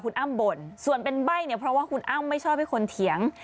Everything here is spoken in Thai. คุณอ้ำบ่นส่วนเป็นใบ้เนี่ยเพราะว่าคุณอ้ำไม่ชอบให้คนเถียง